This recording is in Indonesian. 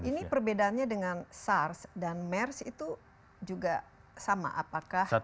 ini perbedaannya dengan sars dan mers itu juga sama apakah